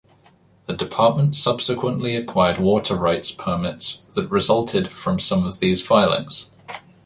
The department subsequently acquired water rights permits that resulted from some of these filings.